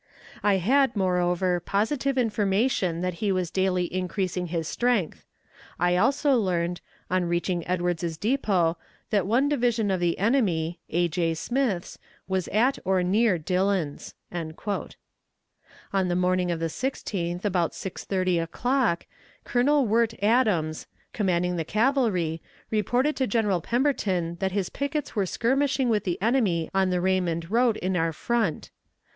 I had, moreover, positive information that he was daily increasing his strength. I also learned, on reaching Edwards's Depot, that one division of the enemy (A. J. Smith's) was at or near Dillon's." On the morning of the 16th, about 6.30 o'clock, Colonel Wirt Adams, commanding the cavalry, reported to General Pemberton that his pickets were skirmishing with the enemy on the Raymond road in our front.